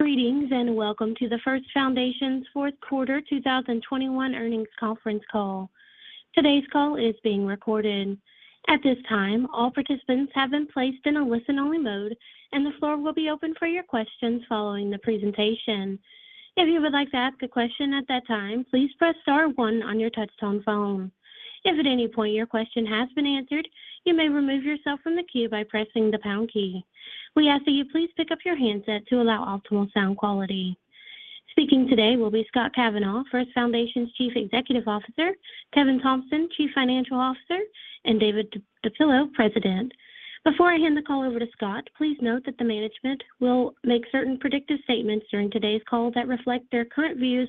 Greetings, and welcome to the First Foundation's fourth quarter 2021 earnings conference call. Today's call is being recorded. At this time, all participants have been placed in a listen-only mode, and the floor will be open for your questions following the presentation. If you would like to ask a question at that time, please press star one on your touchtone phone. If at any point your question has been answered, you may remove yourself from the queue by pressing the pound key. We ask that you please pick up your handset to allow optimal sound quality. Speaking today will be Scott Kavanaugh, First Foundation's Chief Executive Officer, Kevin Thompson, Chief Financial Officer, and David DePillo, President. Before I hand the call over to Scott Kavanaugh, please note that the management will make certain predictive statements during today's call that reflect their current views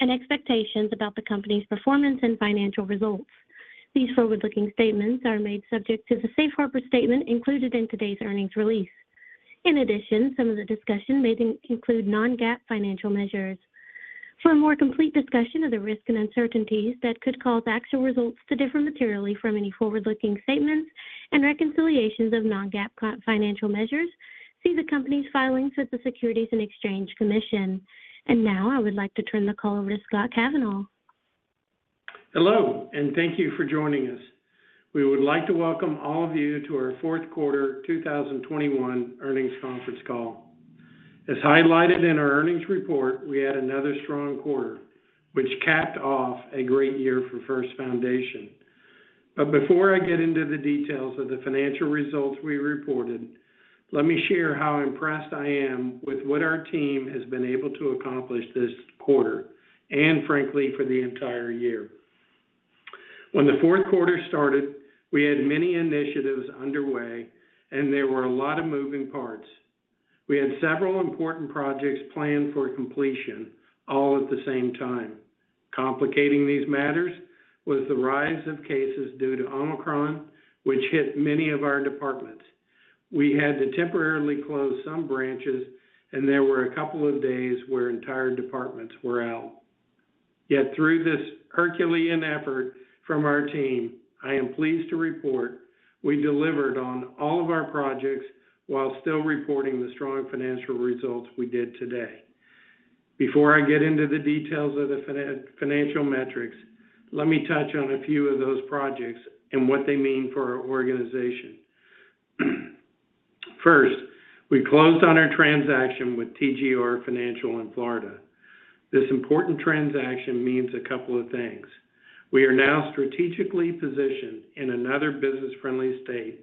and expectations about the company's performance and financial results. These forward-looking statements are made subject to the safe harbor statement included in today's earnings release. In addition, some of the discussion may include non-GAAP financial measures. For a more complete discussion of the risks and uncertainties that could cause actual results to differ materially from any forward-looking statements and reconciliations of non-GAAP financial measures, see the company's filings with the Securities and Exchange Commission. Now, I would like to turn the call over to Scott Kavanaugh. Hello, and thank you for joining us. We would like to welcome all of you to our fourth quarter 2021 earnings conference call. As highlighted in our earnings report, we had another strong quarter, which capped off a great year for First Foundation. Before I get into the details of the financial results we reported, let me share how impressed I am with what our team has been able to accomplish this quarter, and frankly, for the entire year. When the fourth quarter started, we had many initiatives underway, and there were a lot of moving parts. We had several important projects planned for completion all at the same time. Complicating these matters was the rise of cases due to Omicron, which hit many of our departments. We had to temporarily close some branches, and there were a couple of days where entire departments were out. Yet through this Herculean effort from our team, I am pleased to report we delivered on all of our projects while still reporting the strong financial results we did today. Before I get into the details of the financial metrics, let me touch on a few of those projects and what they mean for our organization. First, we closed on our transaction with TGR Financial in Florida. This important transaction means a couple of things. We are now strategically positioned in another business-friendly state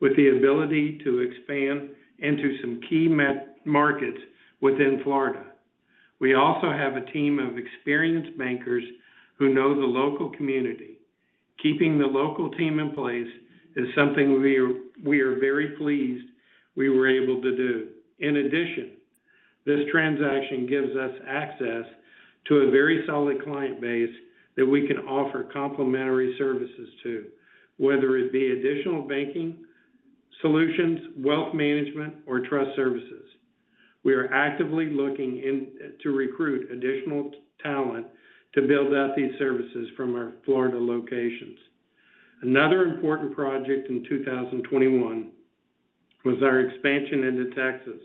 with the ability to expand into some key markets within Florida. We also have a team of experienced bankers who know the local community. Keeping the local team in place is something we are very pleased we were able to do. In addition, this transaction gives us access to a very solid client base that we can offer complimentary services to, whether it be additional banking solutions, wealth management, or trust services. We are actively looking to recruit additional talent to build out these services from our Florida locations. Another important project in 2021 was our expansion into Texas.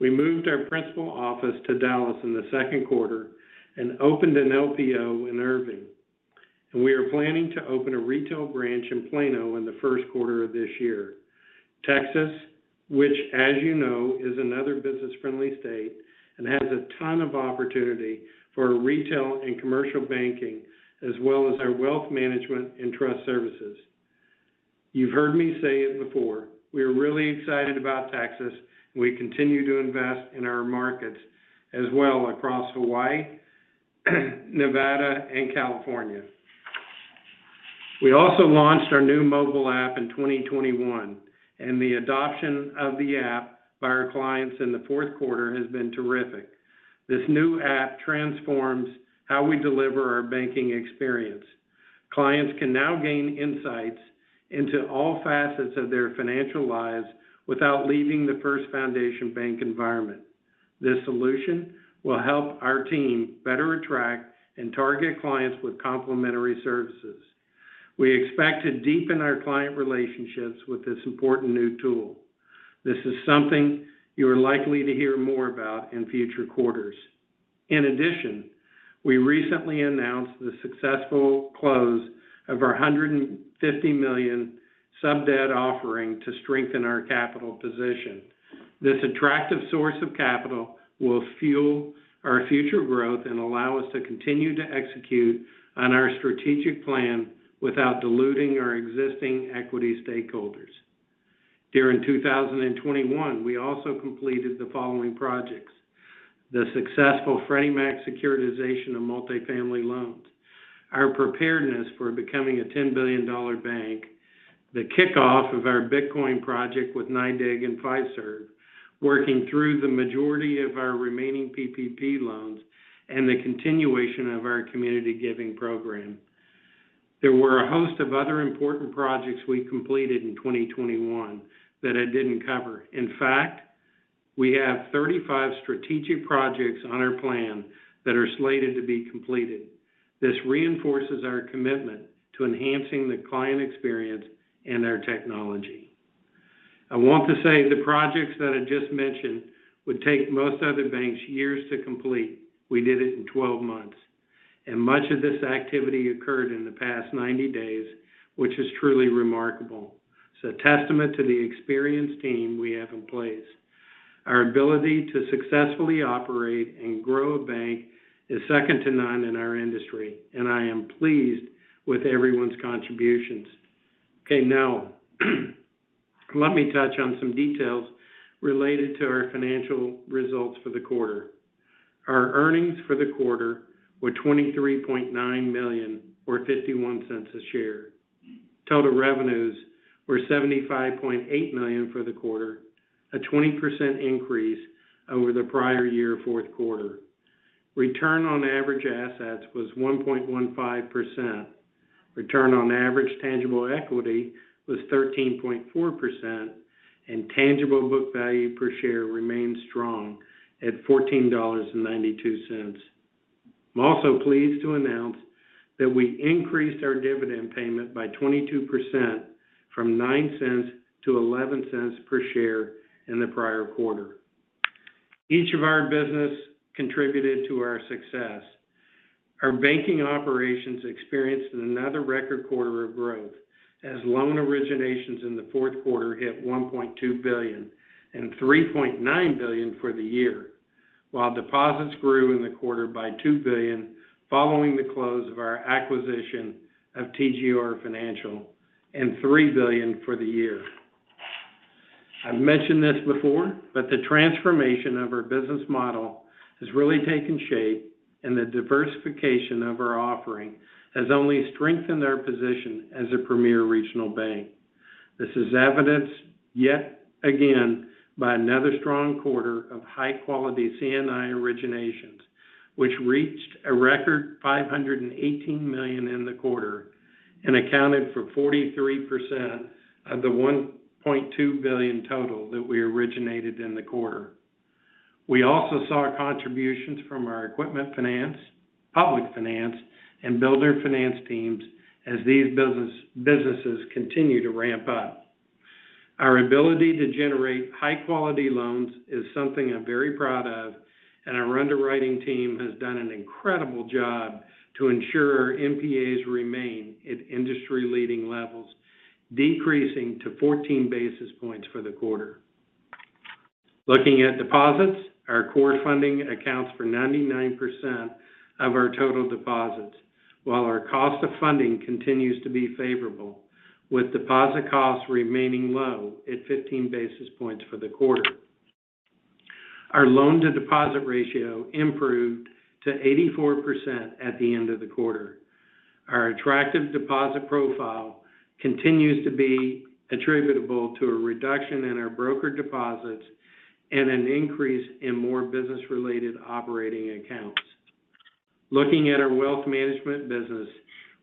We moved our principal office to Dallas in the second quarter and opened an LPO in Irving, and we are planning to open a retail branch in Plano in the first quarter of this year. Texas, which as you know, is another business-friendly state and has a ton of opportunity for retail and commercial banking, as well as our wealth management and trust services. You've heard me say it before, we're really excited about Texas, and we continue to invest in our markets as well across Hawaii, Nevada, and California. We also launched our new mobile app in 2021, and the adoption of the app by our clients in the fourth quarter has been terrific. This new app transforms how we deliver our banking experience. Clients can now gain insights into all facets of their financial lives without leaving the First Foundation Bank environment. This solution will help our team better attract and target clients with complimentary services. We expect to deepen our client relationships with this important new tool. This is something you are likely to hear more about in future quarters. In addition, we recently announced the successful close of our $150 million sub debt offering to strengthen our capital position. This attractive source of capital will fuel our future growth and allow us to continue to execute on our strategic plan without diluting our existing equity stakeholders. During 2021, we also completed the following projects. The successful Freddie Mac securitization of multifamily loans, our preparedness for becoming a $10 billion bank, the kickoff of our Bitcoin project with NYDIG and Fiserv, working through the majority of our remaining PPP loans, and the continuation of our community giving program. There were a host of other important projects we completed in 2021 that I didn't cover. In fact, we have 35 strategic projects on our plan that are slated to be completed. This reinforces our commitment to enhancing the client experience and their technology. I want to say the projects that I just mentioned would take most other banks years to complete. We did it in 12 months, and much of this activity occurred in the past 90 days, which is truly remarkable. It's a testament to the experienced team we have in place. Our ability to successfully operate and grow a bank is second to none in our industry, and I am pleased with everyone's contributions. Okay, now let me touch on some details related to our financial results for the quarter. Our earnings for the quarter were $23.9 million or $0.51 per share. Total revenues were $75.8 million for the quarter, a 20% increase over the prior year fourth quarter. Return on average assets was 1.15%. Return on average tangible equity was 13.4%, and tangible book value per share remains strong at $14.92. I'm also pleased to announce that we increased our dividend payment by 22% from $0.09 to $0.11 per share in the prior quarter. Each of our business contributed to our success. Our banking operations experienced another record quarter of growth as loan originations in the fourth quarter hit $1.2 billion and $3.9 billion for the year. While deposits grew in the quarter by $2 billion following the close of our acquisition of TGR Financial and $3 billion for the year. I've mentioned this before, but the transformation of our business model has really taken shape, and the diversification of our offering has only strengthened our position as a premier regional bank. This is evidenced yet again by another strong quarter of high-quality C&I originations, which reached a record $518 million in the quarter and accounted for 43% of the $1.2 billion total that we originated in the quarter. We also saw contributions from our equipment finance, public finance, and builder finance teams as these businesses continue to ramp up. Our ability to generate high-quality loans is something I'm very proud of, and our underwriting team has done an incredible job to ensure NPAs remain at industry-leading levels, decreasing to 14 basis points for the quarter. Looking at deposits, our core funding accounts for 99% of our total deposits, while our cost of funding continues to be favorable, with deposit costs remaining low at 15 basis points for the quarter. Our loan-to-deposit ratio improved to 84% at the end of the quarter. Our attractive deposit profile continues to be attributable to a reduction in our broker deposits and an increase in more business-related operating accounts. Looking at our wealth management business,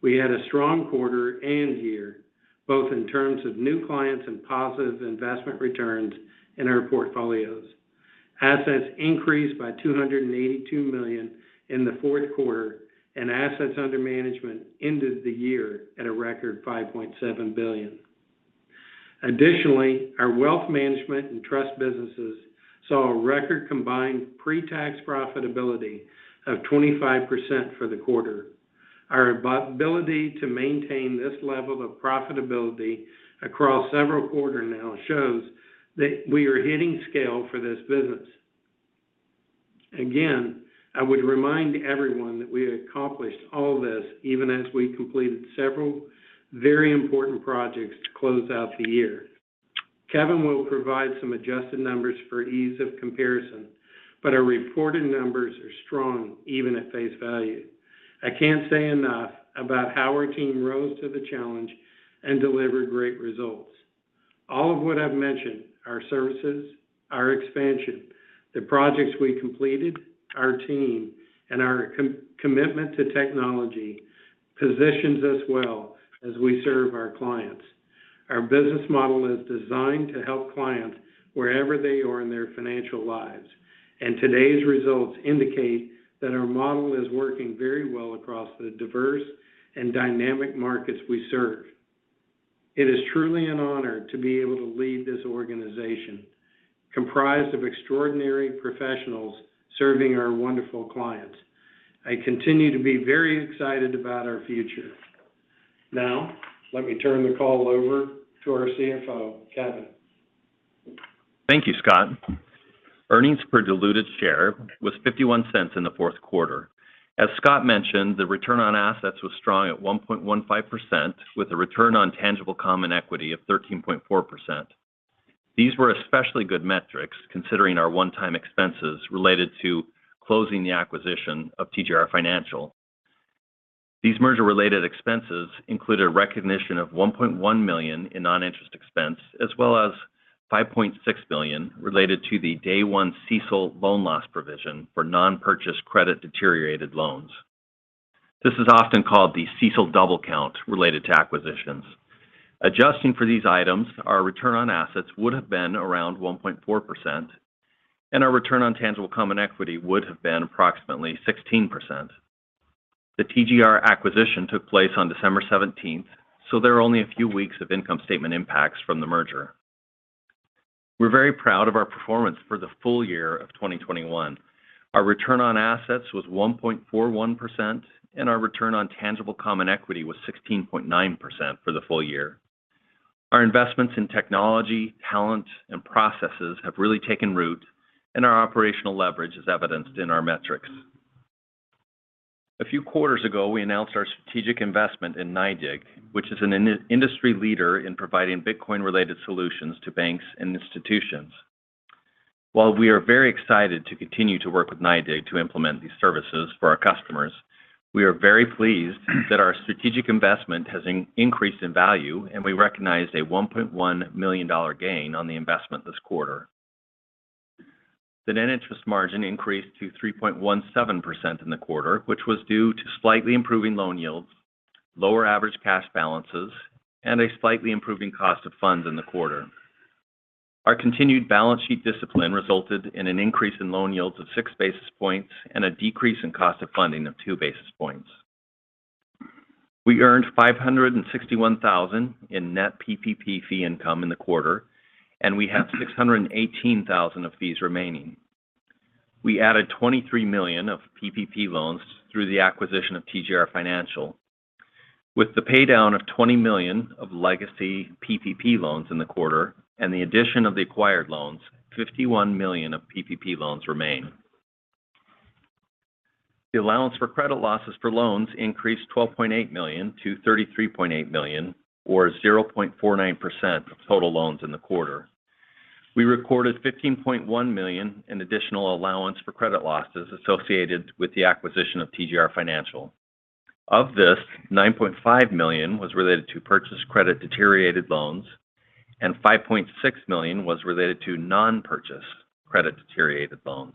we had a strong quarter and year, both in terms of new clients and positive investment returns in our portfolios. Assets increased by $282 million in the fourth quarter, and assets under management ended the year at a record $5.7 billion. Additionally, our wealth management and trust businesses saw a record combined pre-tax profitability of 25% for the quarter. Our ability to maintain this level of profitability across several quarters now shows that we are hitting scale for this business. Again, I would remind everyone that we accomplished all this even as we completed several very important projects to close out the year. Kevin will provide some adjusted numbers for ease of comparison, but our reported numbers are strong even at face value. I can't say enough about how our team rose to the challenge and delivered great results. All of what I've mentioned, our services, our expansion, the projects we completed, our team, and our commitment to technology positions us well as we serve our clients. Our business model is designed to help clients wherever they are in their financial lives, and today's results indicate that our model is working very well across the diverse and dynamic markets we serve. It is truly an honor to be able to lead this organization, comprised of extraordinary professionals serving our wonderful clients. I continue to be very excited about our future. Now, let me turn the call over to our CFO, Kevin. Thank you, Scott. Earnings per diluted share was $0.51 in the fourth quarter. As Scott mentioned, the return on assets was strong at 1.15%, with a return on tangible common equity of 13.4%. These were especially good metrics considering our one-time expenses related to closing the acquisition of TGR Financial. These merger-related expenses include a recognition of $1.1 million in non-interest expense, as well as $5.6 billion related to the day one CECL loan loss provision for purchased credit deteriorated loans. This is often called the CECL double count related to acquisitions. Adjusting for these items, our return on assets would have been around 1.4%. Our return on tangible common equity would have been approximately 16%. The TGR acquisition took place on December seventeenth, so there are only a few weeks of income statement impacts from the merger. We're very proud of our performance for the full year of 2021. Our return on assets was 1.41%, and our return on tangible common equity was 16.9% for the full year. Our investments in technology, talent, and processes have really taken root, and our operational leverage is evidenced in our metrics. A few quarters ago, we announced our strategic investment in NYDIG, which is an industry leader in providing Bitcoin-related solutions to banks and institutions. While we are very excited to continue to work with NYDIG to implement these services for our customers, we are very pleased that our strategic investment has increased in value, and we recognized a $1.1 million gain on the investment this quarter. The net interest margin increased to 3.17% in the quarter, which was due to slightly improving loan yields, lower average cash balances, and a slightly improving cost of funds in the quarter. Our continued balance sheet discipline resulted in an increase in loan yields of 6 basis points and a decrease in cost of funding of 2 basis points. We earned $561,000 in net PPP fee income in the quarter, and we have $618,000 of fees remaining. We added $23 million of PPP loans through the acquisition of TGR Financial. With the paydown of $20 million of legacy PPP loans in the quarter and the addition of the acquired loans, $51 million of PPP loans remain. The allowance for credit losses for loans increased $12.8 million to $33.8 million, or 0.49% of total loans in the quarter. We recorded $15.1 million in additional allowance for credit losses associated with the acquisition of TGR Financial. Of this, $9.5 million was related to purchased credit deteriorated loans and $5.6 million was related to non-purchased credit deteriorated loans.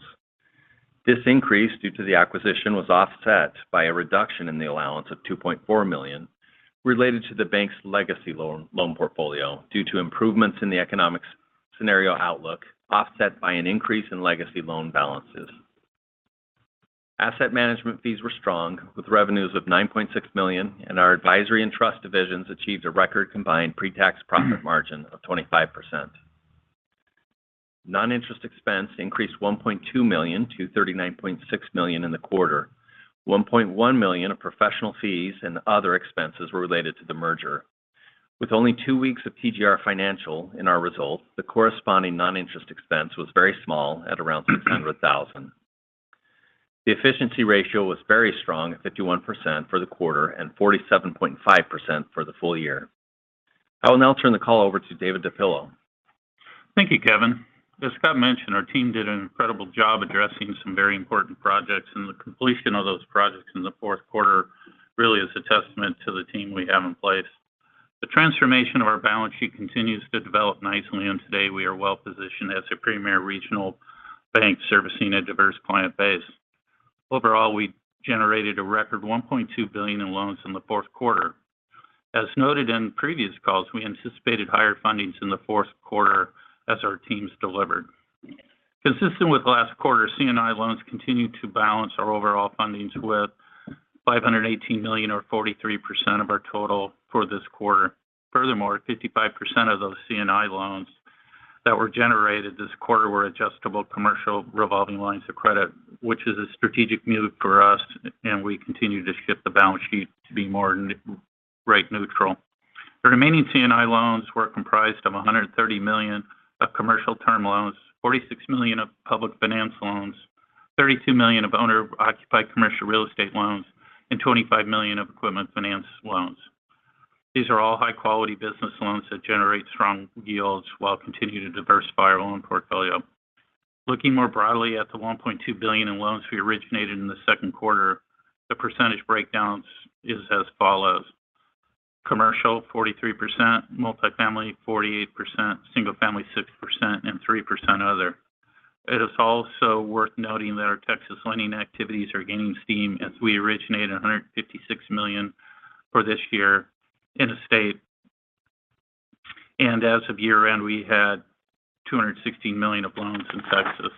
This increase due to the acquisition was offset by a reduction in the allowance of $2.4 million related to the bank's legacy loan portfolio due to improvements in the economic scenario outlook, offset by an increase in legacy loan balances. Asset management fees were strong with revenues of $9.6 million, and our advisory and trust divisions achieved a record combined pre-tax profit margin of 25%. Non-interest expense increased $1.2 million to $39.6 million in the quarter. $1.1 million of professional fees and other expenses were related to the merger. With only two weeks of TGR Financial in our results, the corresponding non-interest expense was very small at around $600,000. The efficiency ratio was very strong at 51% for the quarter and 47.5% for the full year. I will now turn the call over to David DePillo. Thank you, Kevin. As Scott mentioned, our team did an incredible job addressing some very important projects and the completion of those projects in the fourth quarter really is a testament to the team we have in place. The transformation of our balance sheet continues to develop nicely, and today we are well positioned as a premier regional bank servicing a diverse client base. Overall, we generated a record $1.2 billion in loans in the fourth quarter. As noted in previous calls, we anticipated higher fundings in the fourth quarter as our teams delivered. Consistent with last quarter, C&I loans continued to balance our overall fundings with $518 million or 43% of our total for this quarter. Furthermore, 55% of those C&I loans that were generated this quarter were adjustable commercial revolving lines of credit, which is a strategic move for us and we continue to shift the balance sheet to be more rate-neutral. The remaining C&I loans were comprised of $130 million of commercial term loans, $46 million of public finance loans, $32 million of owner-occupied commercial real estate loans, and $25 million of equipment finance loans. These are all high-quality business loans that generate strong yields while continuing to diversify our loan portfolio. Looking more broadly at the $1.2 billion in loans we originated in the second quarter, the percentage breakdowns is as follows: commercial 43%, multifamily 48%, single family 6%, and 3% other. It is also worth noting that our Texas lending activities are gaining steam as we originated $156 million for this year in the state. As of year-end, we had $216 million of loans in Texas.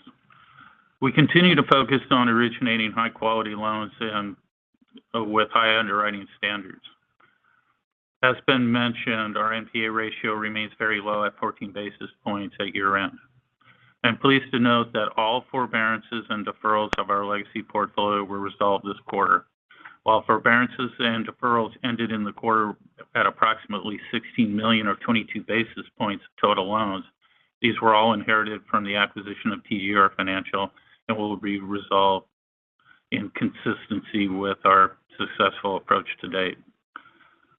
We continue to focus on originating high-quality loans and with high underwriting standards. As has been mentioned, our NPA ratio remains very low at 14 basis points at year-end. I'm pleased to note that all forbearances and deferrals of our legacy portfolio were resolved this quarter. While forbearances and deferrals ended in the quarter at approximately $16 million or 22 basis points of total loans, these were all inherited from the acquisition of TGR Financial and will be resolved in consistency with our successful approach to date.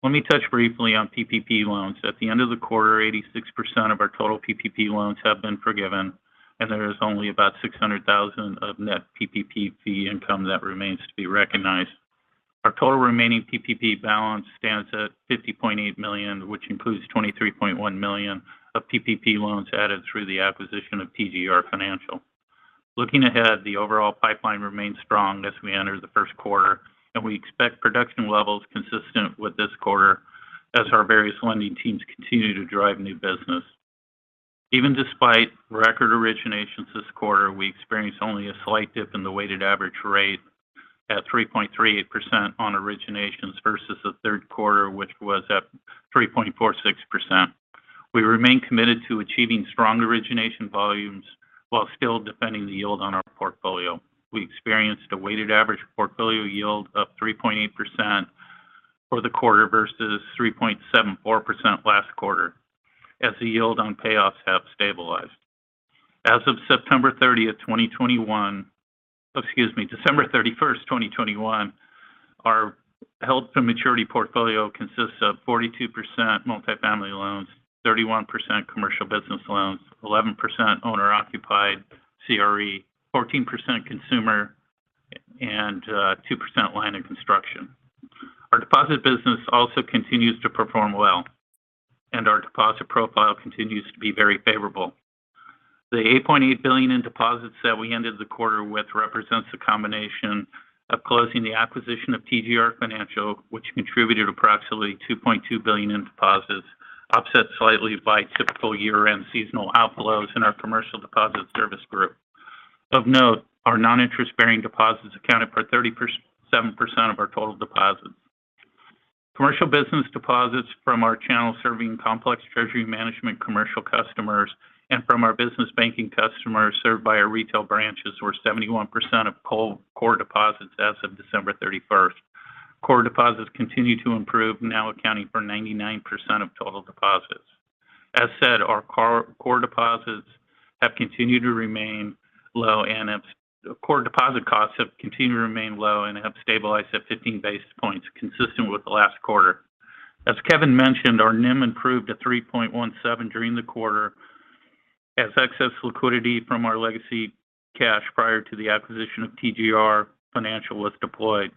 Let me touch briefly on PPP loans. At the end of the quarter, 86% of our total PPP loans have been forgiven, and there is only about $600,000 of net PPP fee income that remains to be recognized. Our total remaining PPP balance stands at $50.8 million, which includes $23.1 million of PPP loans added through the acquisition of TGR Financial. Looking ahead, the overall pipeline remains strong as we enter the first quarter, and we expect production levels consistent with this quarter. As our various lending teams continue to drive new business. Even despite record originations this quarter, we experienced only a slight dip in the weighted average rate at 3.38% on originations versus the third quarter, which was at 3.46%. We remain committed to achieving strong origination volumes while still defending the yield on our portfolio. We experienced a weighted average portfolio yield of 3.8% for the quarter versus 3.74% last quarter as the yield on payoffs have stabilized. As of December 31, 2021, our held to maturity portfolio consists of 42% multifamily loans, 31% commercial business loans, 11% owner-occupied CRE, 14% consumer, and 2% line of construction. Our deposit business also continues to perform well, and our deposit profile continues to be very favorable. The $8.8 billion in deposits that we ended the quarter with represents a combination of closing the acquisition of TGR Financial, which contributed approximately $2.2 billion in deposits, offset slightly by typical year-end seasonal outflows in our commercial deposit service group. Of note, our non-interest-bearing deposits accounted for 37% of our total deposits. Commercial business deposits from our channel serving complex treasury management commercial customers and from our business banking customers served by our retail branches were 71% of core deposits as of December 31. Core deposits continue to improve, now accounting for 99% of total deposits. As said, our core deposits have continued to remain low, and core deposit costs have continued to remain low and have stabilized at 15 basis points, consistent with last quarter. As Kevin mentioned, our NIM improved to 3.17 during the quarter as excess liquidity from our legacy cash prior to the acquisition of TGR Financial was deployed.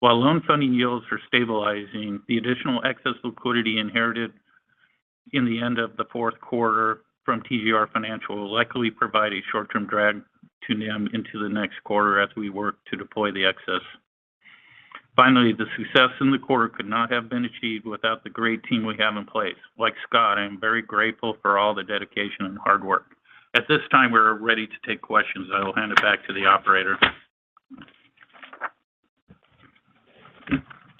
While loan funding yields are stabilizing, the additional excess liquidity inherited in the end of the fourth quarter from TGR Financial will likely provide a short-term drag to NIM into the next quarter as we work to deploy the excess. Finally, the success in the quarter could not have been achieved without the great team we have in place. Like Scott, I am very grateful for all the dedication and hard work. At this time, we're ready to take questions. I will hand it back to the operator.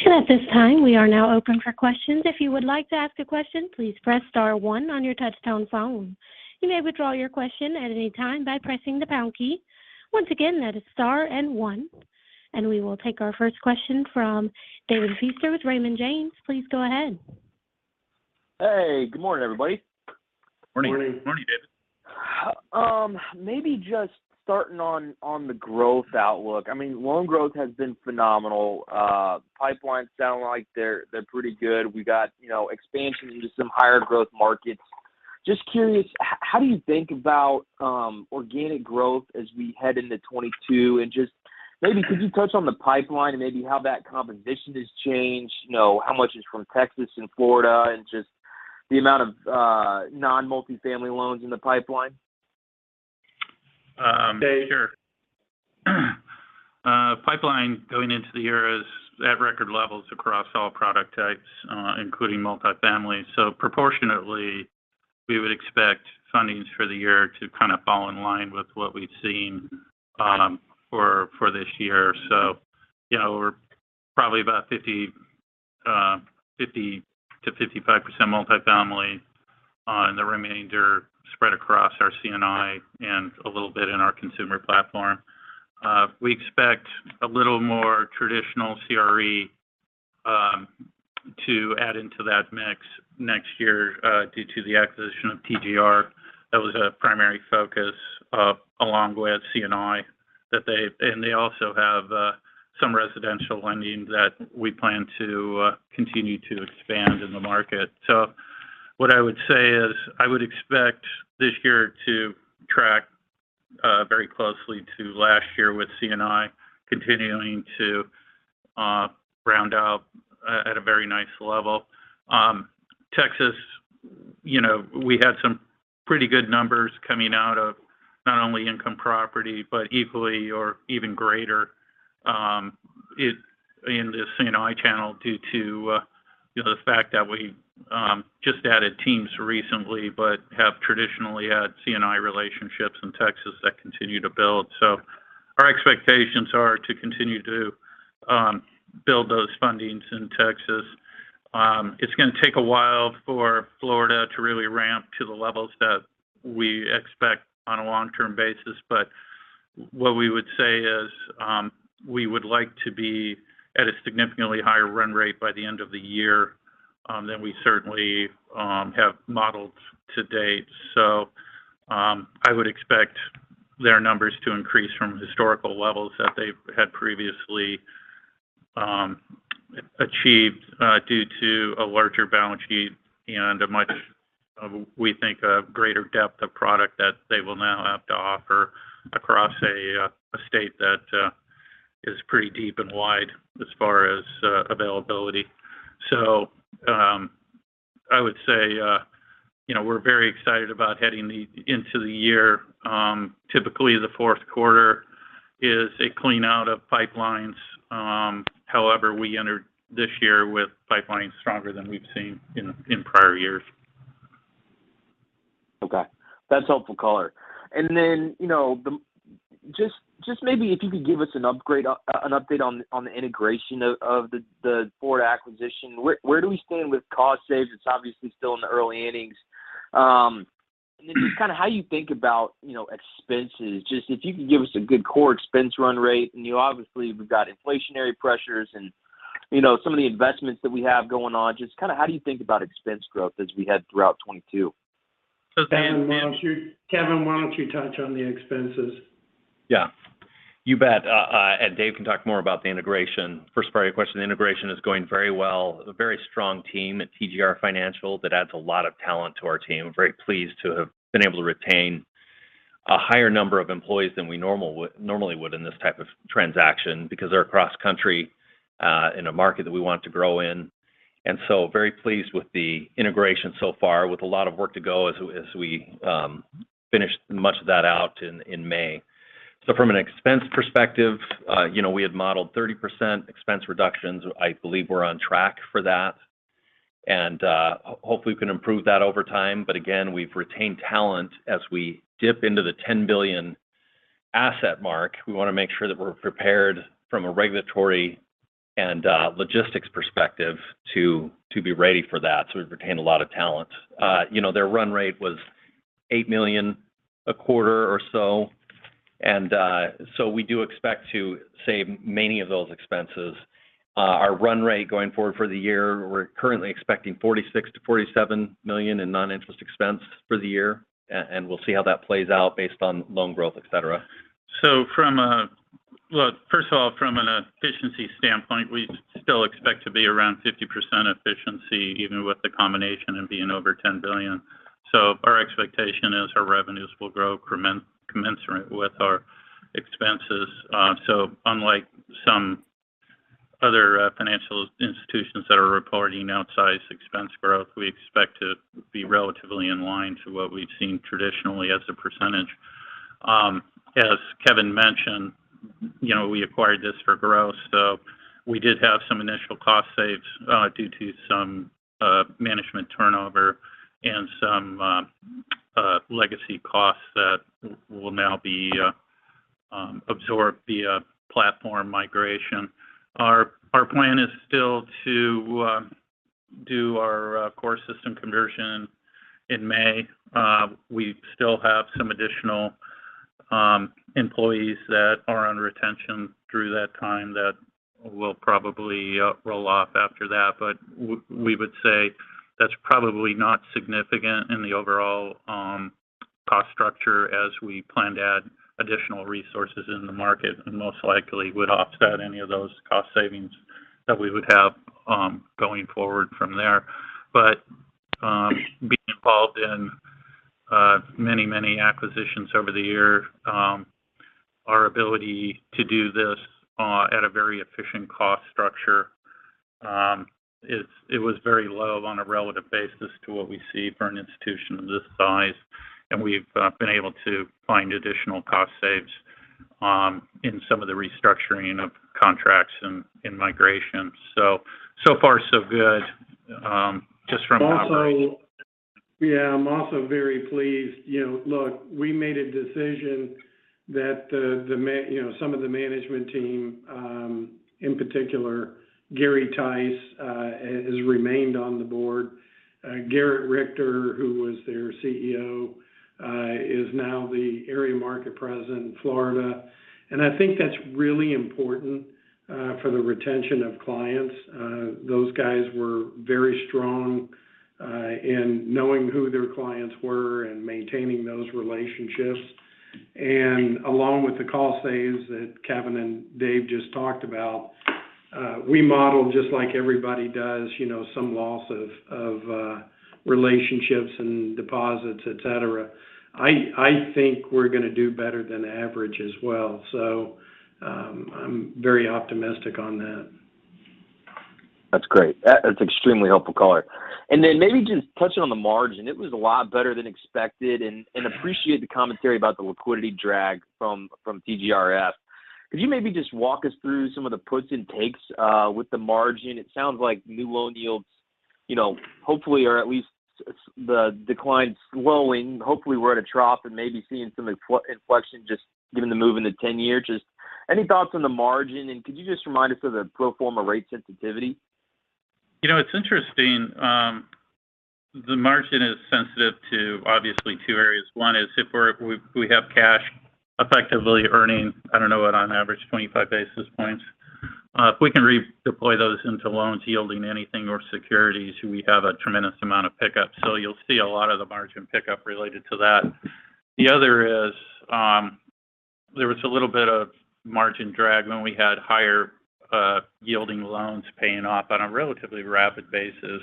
At this time, we are now open for questions. If you would like to ask a question, please press star one on your touchtone phone. You may withdraw your question at any time by pressing the pound key. Once again, that is star and one. We will take our first question from David Feaster with Raymond James. Please go ahead. Hey, good morning, everybody. Morning. Morning. Morning, David. Maybe just starting on the growth outlook. I mean, loan growth has been phenomenal. Pipelines sound like they're pretty good. We got, you know, expansion into some higher growth markets. Just curious, how do you think about organic growth as we head into 2022? Just maybe could you touch on the pipeline and maybe how that composition has changed? You know, how much is from Texas and Florida and just the amount of non-multifamily loans in the pipeline? Sure. Pipeline going into the year is at record levels across all product types, including multifamily. Proportionately, we would expect fundings for the year to kind of fall in line with what we've seen for this year. You know, we're probably about 50%-55% multifamily, and the remainder spread across our C&I and a little bit in our consumer platform. We expect a little more traditional CRE to add into that mix next year due to the acquisition of TGR. That was a primary focus along with C&I. They also have some residential lending that we plan to continue to expand in the market. What I would say is I would expect this year to track very closely to last year with C&I continuing to round out at a very nice level. Texas, you know, we had some pretty good numbers coming out of not only income property, but equally or even greater in the C&I channel due to, you know, the fact that we just added teams recently but have traditionally had C&I relationships in Texas that continue to build. Our expectations are to continue to build those fundings in Texas. It's gonna take a while for Florida to really ramp to the levels that we expect on a long-term basis. What we would say is, we would like to be at a significantly higher run rate by the end of the year than we certainly have modeled to date. I would expect their numbers to increase from historical levels that they've had previously achieved due to a larger balance sheet and a much, we think a greater depth of product that they will now have to offer across a state that is pretty deep and wide as far as availability. I would say, you know, we're very excited about heading into the year. Typically, the fourth quarter is a clean-out of pipelines. However, we entered this year with pipeline stronger than we've seen in prior years. Okay. That's helpful color. You know, just maybe if you could give us an update on the integration of the TGR acquisition. Where do we stand with cost saves? It's obviously still in the early innings. Then just kind of how you think about, you know, expenses. Just if you could give us a good core expense run rate. I know obviously we've got inflationary pressures and, you know, some of the investments that we have going on. Just kind of how do you think about expense growth as we head throughout 2022? Kevin, why don't you touch on the expenses? Yeah. You bet. Dave can talk more about the integration. First part of your question, the integration is going very well. A very strong team at TGR Financial that adds a lot of talent to our team. Very pleased to have been able to retain a higher number of employees than we normally would in this type of transaction because they're cross-country in a market that we want to grow in. Very pleased with the integration so far with a lot of work to go as we finish much of that out in May. From an expense perspective, you know, we had modeled 30% expense reductions. I believe we're on track for that and hopefully can improve that over time. Again, we've retained talent as we dip into the $10 billion asset mark. We wanna make sure that we're prepared from a regulatory and logistics perspective to be ready for that. We've retained a lot of talent. You know, their run rate was $8 million a quarter or so. We do expect to save many of those expenses. Our run rate going forward for the year, we're currently expecting $46 million-$47 million in non-interest expense for the year. And we'll see how that plays out based on loan growth, et cetera. Look, first of all, from an efficiency standpoint, we still expect to be around 50% efficiency, even with the combination of being over $10 billion. Our expectation is our revenues will grow commensurate with our expenses. Unlike some other financial institutions that are reporting outsized expense growth, we expect to be relatively in line to what we've seen traditionally as a percentage. As Kevin mentioned, you know, we acquired this for growth, so we did have some initial cost savings due to some management turnover and some legacy costs that will now be absorbed via platform migration. Our plan is still to do our core system conversion in May. We still have some additional employees that are under retention through that time that will probably roll off after that. We would say that's probably not significant in the overall cost structure as we plan to add additional resources in the market, and most likely would offset any of those cost savings that we would have going forward from there. Being involved in many acquisitions over the years, our ability to do this at a very efficient cost structure, it was very low on a relative basis to what we see for an institution of this size. We've been able to find additional cost savings in some of the restructuring of contracts and in migration. So far so good, just from that perspective. Yeah, I'm also very pleased. You know, look, we made a decision that some of the management team, in particular Gary Tice, has remained on the board. Garrett Richter, who was their CEO, is now the area market president in Florida. I think that's really important for the retention of clients. Those guys were very strong in knowing who their clients were and maintaining those relationships. Along with the cost saves that Kevin and Dave just talked about, we modeled, just like everybody does, you know, some loss of relationships and deposits, et cetera. I think we're gonna do better than average as well. I'm very optimistic on that. That's great. That's extremely helpful color. Maybe just touching on the margin, it was a lot better than expected and appreciate the commentary about the liquidity drag from TGRF. Could you maybe just walk us through some of the puts and takes with the margin? It sounds like the decline's slowing. Hopefully we're at a trough and maybe seeing some inflection just given the move in the 10-year. Just any thoughts on the margin, and could you just remind us of the pro forma rate sensitivity? You know, it's interesting. The margin is sensitive to obviously two areas. One is if we have cash effectively earning, I don't know, what on average 25 basis points. If we can redeploy those into loans yielding anything or securities, we have a tremendous amount of pickup. You'll see a lot of the margin pickup related to that. The other is, there was a little bit of margin drag when we had higher yielding loans paying off on a relatively rapid basis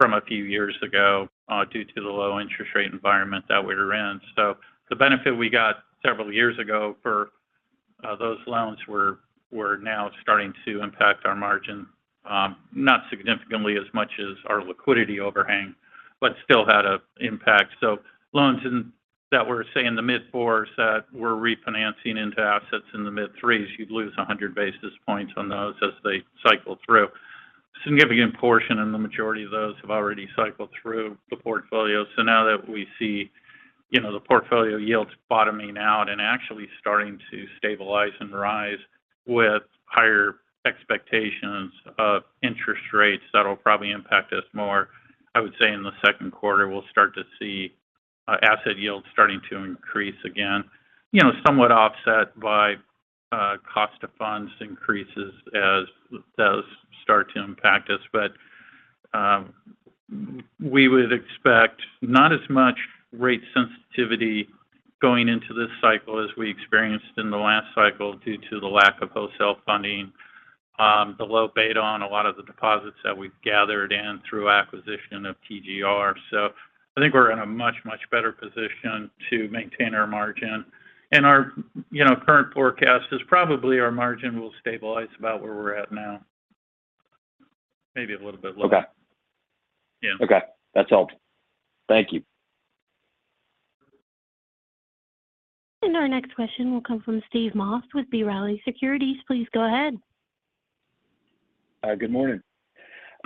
from a few years ago, due to the low interest rate environment that we were in. The benefit we got several years ago for those loans were now starting to impact our margin. Not significantly as much as our liquidity overhang, but still had an impact. Loans that were, say, in the mid fours that were refinancing into assets in the mid threes, you'd lose 100 basis points on those as they cycle through. Significant portion, and the majority of those have already cycled through the portfolio. Now that we see, you know, the portfolio yields bottoming out and actually starting to stabilize and rise with higher expectations of interest rates, that'll probably impact us more. I would say in the second quarter, we'll start to see asset yields starting to increase again. You know, somewhat offset by cost of funds increases as those start to impact us. We would expect not as much rate sensitivity going into this cycle as we experienced in the last cycle due to the lack of wholesale funding, the low beta on a lot of the deposits that we've gathered and through acquisition of TGR. I think we're in a much better position to maintain our margin. Our current forecast is probably our margin will stabilize about where we're at now. Maybe a little bit lower. Okay. Yeah. Okay. That's all. Thank you. Our next question will come from Steve Moss with B. Riley Securities. Please go ahead. Good morning.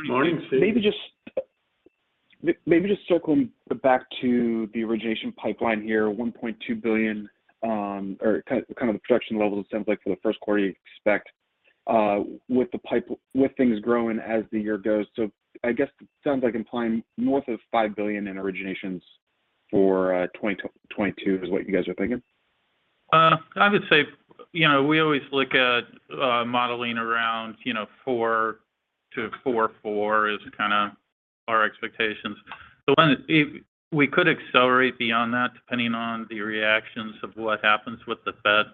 Morning, Steve. Maybe just circling back to the origination pipeline here, $1.2 billion, or kind of the production levels it sounds like for the first quarter you expect, with things growing as the year goes. I guess it sounds like implying north of $5 billion in originations for 2022 is what you guys are thinking? I would say, you know, we always look at modeling around, you know, 4 to 4.4 is kind of our expectations. We could accelerate beyond that, depending on the reactions of what happens with the Fed.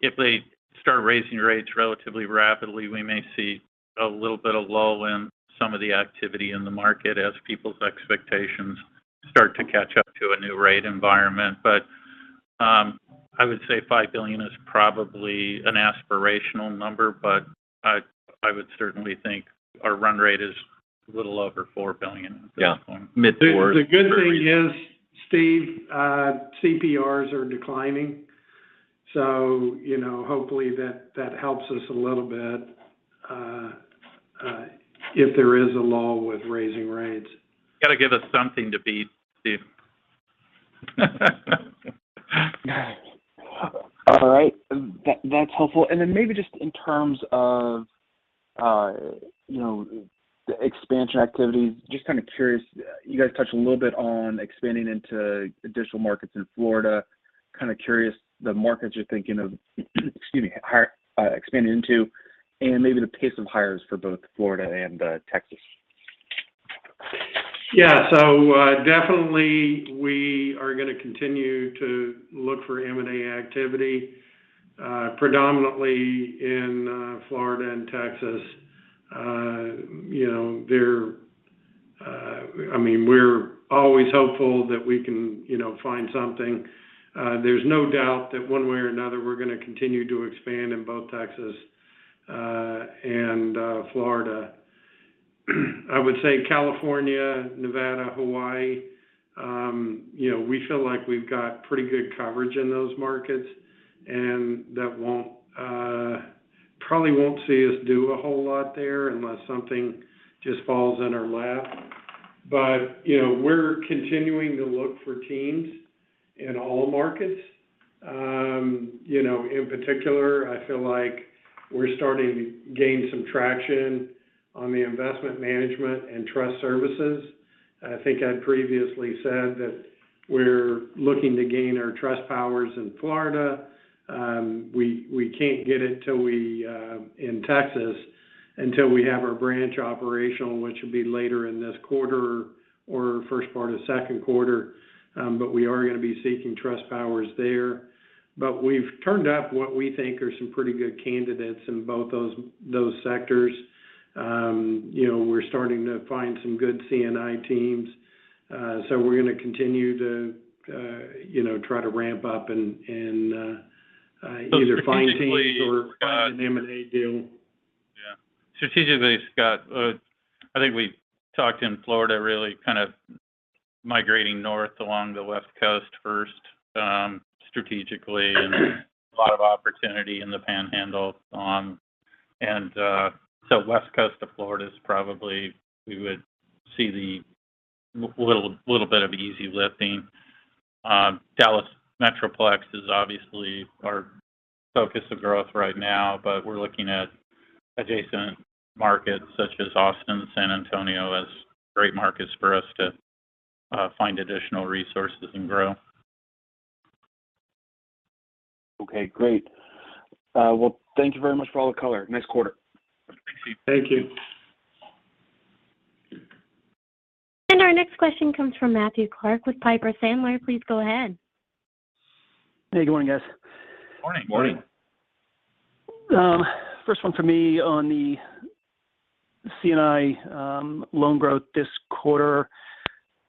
If they start raising rates relatively rapidly, we may see a little bit of lull in some of the activity in the market as people's expectations start to catch up to a new rate environment. I would say $5 billion is probably an aspirational number, but I would certainly think our run rate is a little over $4 billion at this point. Yeah. Mid-4. The good thing is, Steve, CPRs are declining. You know, hopefully that helps us a little bit if there is a lull with raising rates. Got to give us something to beat, Steve. All right. That's helpful. Then maybe just in terms of the expansion activities, just kind of curious. You guys touched a little bit on expanding into additional markets in Florida. Kind of curious the markets you're thinking of expanding into and maybe the pace of hires for both Florida and Texas. Yeah. Definitely we are going to continue to look for M&A activity, predominantly in Florida and Texas. You know, I mean, we're always hopeful that we can, you know, find something. There's no doubt that one way or another, we're going to continue to expand in both Texas and Florida. I would say California, Nevada, Hawaii, you know, we feel like we've got pretty good coverage in those markets. That probably won't see us do a whole lot there unless something just falls in our lap. You know, we're continuing to look for teams in all markets. You know, in particular, I feel like we're starting to gain some traction on the investment management and trust services. I think I previously said that we're looking to gain our trust powers in Florida. We can't get it in Texas until we have our branch operational, which will be later in this quarter or first part of second quarter. We are going to be seeking trust powers there. We've turned up what we think are some pretty good candidates in both those sectors. You know, we're starting to find some good C&I teams. We're going to continue to you know try to ramp up and either find teams or find an M&A deal. Yeah. Strategically, Scott, I think we talked in Florida really kind of migrating north along the West Coast first, strategically. A lot of opportunity in the Panhandle. West Coast of Florida is probably we would see the little bit of easy lifting. Dallas Metroplex is obviously our focus of growth right now, but we're looking at adjacent markets such as Austin, San Antonio, as great markets for us to find additional resources and grow. Okay, great. Well, thank you very much for all the color. Nice quarter. Thank you. Our next question comes from Matthew Clark with Piper Sandler. Please go ahead. Hey, good morning, guys. Morning. Morning. First one for me on the C&I loan growth this quarter,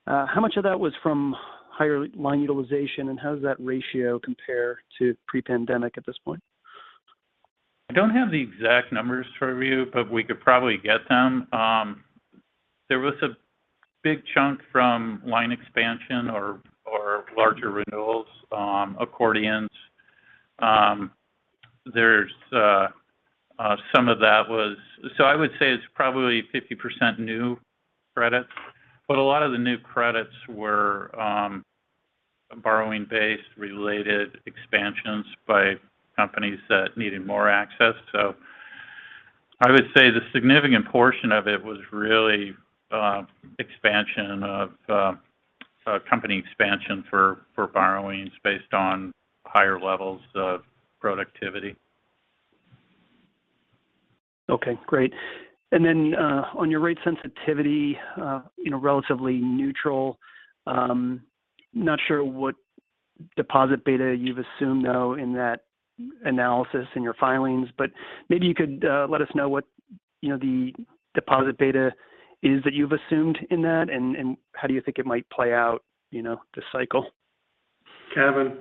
how much of that was from higher line utilization and how does that ratio compare to pre-pandemic at this point? I don't have the exact numbers for you, but we could probably get them. There was a big chunk from line expansion or larger renewals, accordions. There's some of that. I would say it's probably 50% new credits. A lot of the new credits were borrowing-base related expansions by companies that needed more access. I would say the significant portion of it was really expansion of company expansion for borrowings based on higher levels of productivity. Okay, great. Then, on your rate sensitivity, you know, relatively neutral. Not sure what deposit beta you've assumed though in that analysis in your filings, but maybe you could let us know what, you know, the deposit beta is that you've assumed in that and how do you think it might play out, you know, this cycle? Kevin.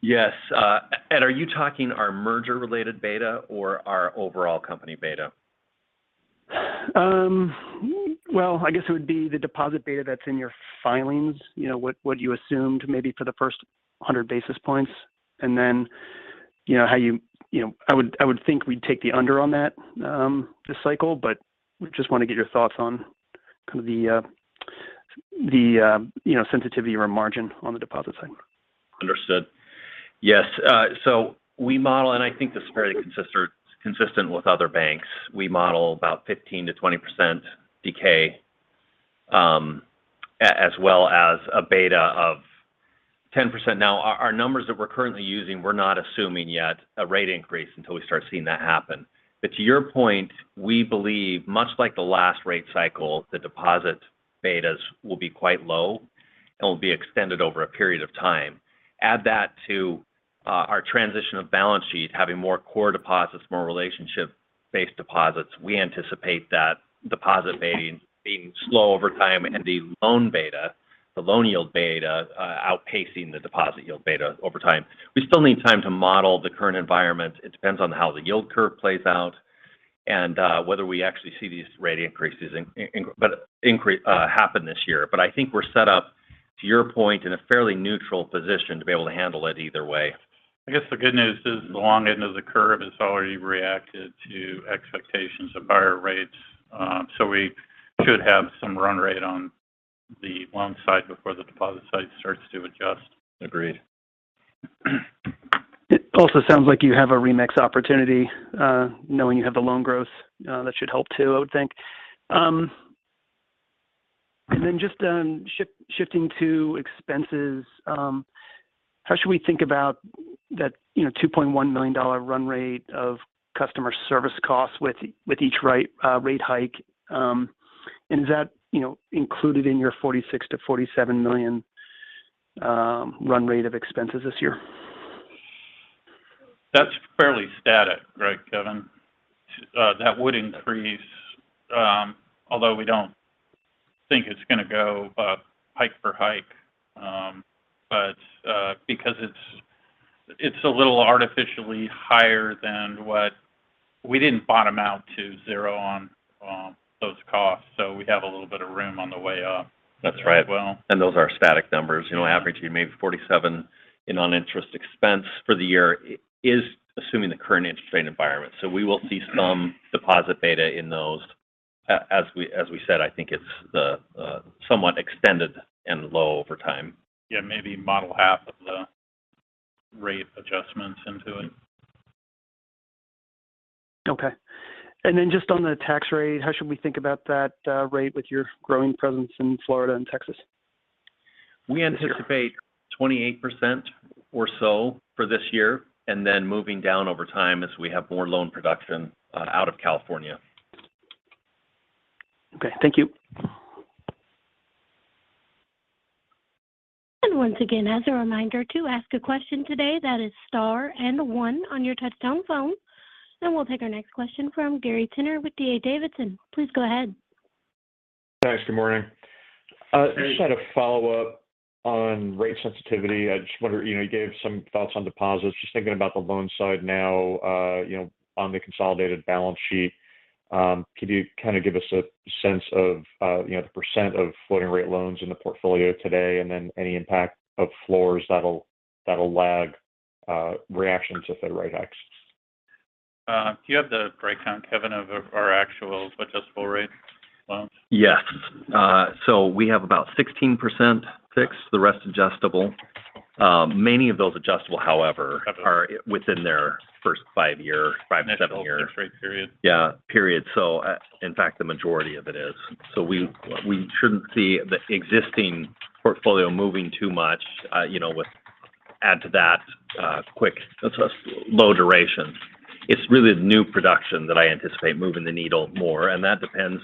Yes. Are you talking our merger-related beta or our overall company beta? Well, I guess it would be the deposit beta that's in your filings. You know, what you assumed maybe for the first 100 basis points, and then, you know, how you. I would think we'd take the under on that this cycle, but just wanna get your thoughts on kind of the sensitivity or margin on the deposit side. Understood. Yes. We model, and I think the spread is consistent with other banks. We model about 15%-20% decay, as well as a beta of 10%. Now, our numbers that we're currently using, we're not assuming yet a rate increase until we start seeing that happen. To your point, we believe, much like the last rate cycle, the deposit betas will be quite low, and will be extended over a period of time. Add that to our transition of balance sheet, having more core deposits, more relationship based deposits. We anticipate that deposit beta being slow over time and the loan beta, the loan yield beta, outpacing the deposit yield beta over time. We still need time to model the current environment. It depends on how the yield curve plays out and, whether we actually see these rate increases happen this year. I think we're set up, to your point, in a fairly neutral position to be able to handle it either way. I guess the good news is the long end of the curve has already reacted to expectations of higher rates, so we should have some run rate on the long side before the deposit side starts to adjust. Agreed. It also sounds like you have a margin mix opportunity, knowing you have the loan growth. That should help too, I would think. Then just shifting to expenses, how should we think about that, you know, $2.1 million run rate of customer service costs with each rate hike, and is that, you know, included in your $46 million-$47 million run rate of expenses this year? That's fairly static, right, Kevin? That would increase, although we don't think it's gonna go hike for hike. Because it's a little artificially higher than what we didn't bottom out to zero on those costs, so we have a little bit of room on the way up. That's right. as well. Those are static numbers. You know, averaging maybe $47 in non-interest expense for the year is assuming the current interest rate environment. We will see some deposit beta in those. As we said, I think it's somewhat extended and low over time. Yeah, maybe model half of the rate adjustments into it. Okay. Just on the tax rate, how should we think about that rate with your growing presence in Florida and Texas this year? We anticipate 28% or so for this year, and then moving down over time as we have more loan production, out of California. Okay. Thank you. Once again, as a reminder, to ask a question today, that is star and one on your touch-tone phone. We'll take our next question from Gary Tenner with D.A. Davidson. Please go ahead. Thanks. Good morning. Hey. Just had a follow-up on rate sensitivity. I just wonder, you know, you gave some thoughts on deposits. Just thinking about the loan side now, you know, on the consolidated balance sheet, could you kind of give us a sense of, you know, the percent of floating rate loans in the portfolio today, and then any impact of floors that'll lag reaction to Fed rate hikes? Do you have the breakdown, Kevin, of our actual adjustable rate loans? Yes. We have about 16% fixed, the rest adjustable. Many of those adjustable, however. Kevin... are within their first 5-7-year Initial fixed rate period. Yeah. Period. In fact, the majority of it is. We shouldn't see the existing portfolio moving too much, you know, with that. Add to that, quite low durations. It's really the new production that I anticipate moving the needle more, and that depends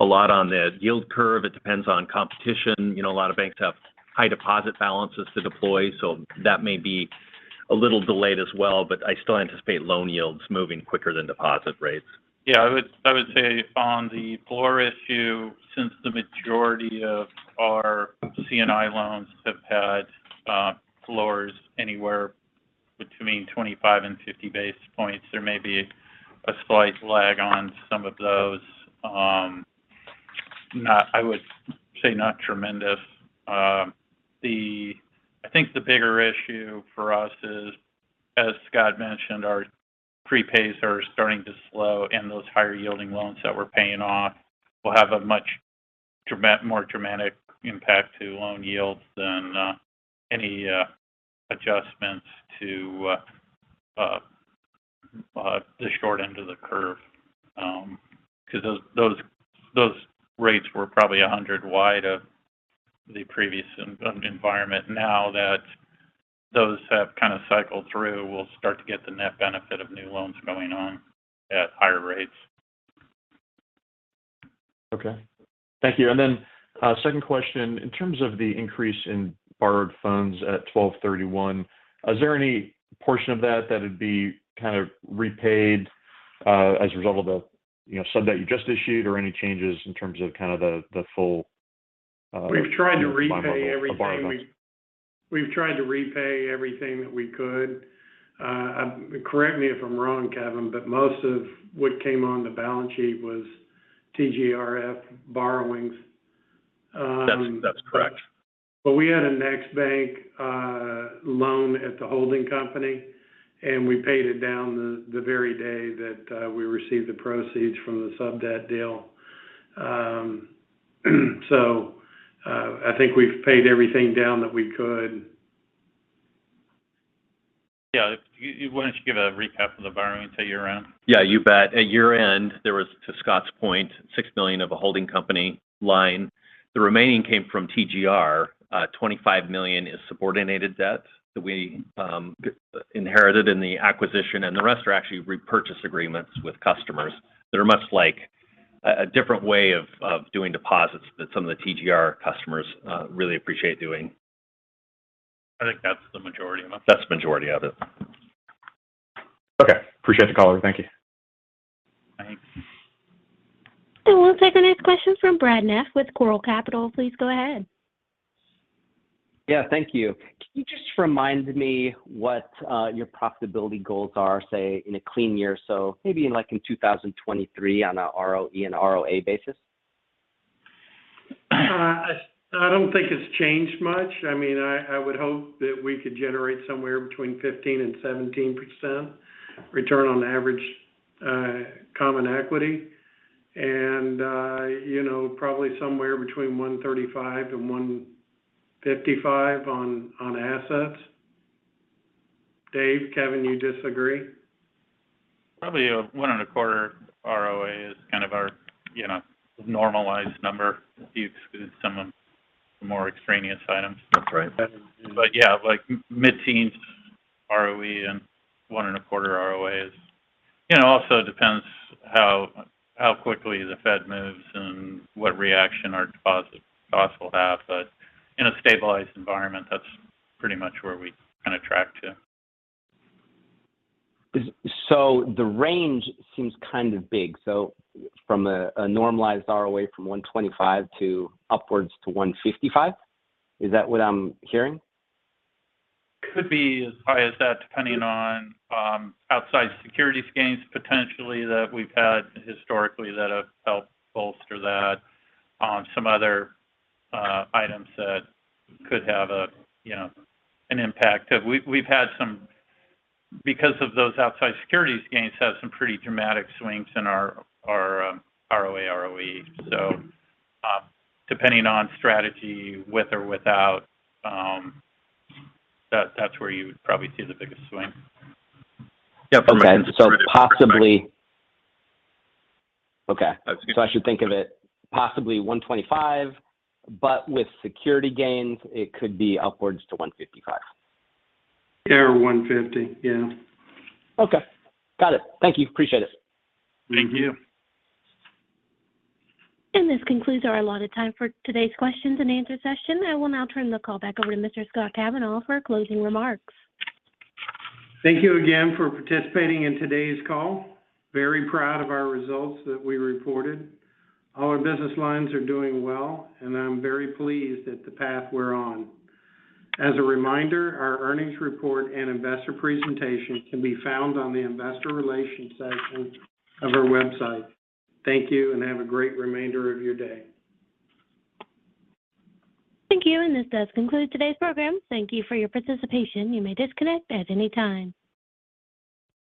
a lot on the yield curve. It depends on competition. You know, a lot of banks have high deposit balances to deploy, so that may be a little delayed as well. I still anticipate loan yields moving quicker than deposit rates. Yeah. I would say on the floor issue, since the majority of our C&I loans have had floors anywhere between 25 and 50 basis points, there may be a slight lag on some of those. I would say not tremendous. I think the bigger issue for us is, as Scott mentioned, our prepayments are starting to slow, and those higher-yielding loans that we're paying off will have a much more dramatic impact to loan yields than any adjustments to the short end of the curve. 'Cause those rates were probably 100 wide of the previous environment. Now that those have kind of cycled through, we'll start to get the net benefit of new loans going on at higher rates. Okay. Thank you. Second question, in terms of the increase in borrowed funds at 12/31, is there any portion of that that would be kind of repaid, as a result of the, you know, sub that you just issued or any changes in terms of kind of the full, combined level of borrowings? We've tried to repay everything that we could. Correct me if I'm wrong, Kevin, but most of what came on the balance sheet was TGRF borrowings. That's correct. We had a NexBank loan at the holding company, and we paid it down the very day that we received the proceeds from the sub debt deal. I think we've paid everything down that we could. Yeah. Why don't you give a recap of the borrowings at year-end? Yeah, you bet. At year-end, there was, to Scott's point, $6 million of a holding company line. The remaining came from TGR. Twenty-five million is subordinated debt that we inherited in the acquisition, and the rest are actually repurchase agreements with customers that are much like a different way of doing deposits that some of the TGR customers really appreciate doing. I think that's the majority of them. That's the majority of it. Okay. Appreciate the color. Thank you. Thanks. We'll take our next question from Brad Neff with Coral Capital. Please go ahead. Yeah. Thank you. Can you just remind me what your profitability goals are, say, in a clean year? Maybe in 2023 on a ROE and ROA basis. I don't think it's changed much. I mean, I would hope that we could generate somewhere between 15%-17% return on average common equity and, you know, probably somewhere between 135-155 on assets. David, Kevin, you disagree? Probably 1.25% ROA is kind of our, you know, normalized number if you exclude some of the more extraneous items. That's right. Yeah, like mid-teens% ROE and 1.25% ROA. You know, it also depends how quickly the Fed moves and what reaction our deposits will have. In a stabilized environment, that's pretty much where we kind of track to. The range seems kind of big. From a normalized ROA from 1.25% upwards to 1.55%, is that what I'm hearing? Could be as high as that, depending on outside securities gains potentially that we've had historically that have helped bolster that. Some other items that could have a you know an impact. Because of those outside securities gains, we've had some pretty dramatic swings in our ROA, ROE. Depending on strategy with or without that's where you would probably see the biggest swing. Yeah. From a competitive standpoint. Okay. That's good. I should think of it possibly $125, but with securities gains, it could be upwards to $155. Yeah, or $150. Yeah. Okay. Got it. Thank you. Appreciate it. Thank you. This concludes our allotted time for today's questions and answer session. I will now turn the call back over to Mr. Scott Kavanaugh for closing remarks. Thank you again for participating in today's call. Very proud of our results that we reported. All our business lines are doing well, and I'm very pleased at the path we're on. As a reminder, our earnings report and investor presentation can be found on the investor relations section of our website. Thank you, and have a great remainder of your day. Thank you. This does conclude today's program. Thank you for your participation. You may disconnect at any time.